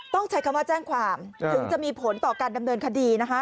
ต้องใช้คำว่าแจ้งความถึงจะมีผลต่อการดำเนินคดีนะคะ